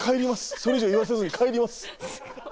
それ以上言わせずに帰ります。